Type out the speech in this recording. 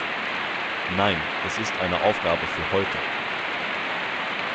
Nein, es ist eine Aufgabe für heute.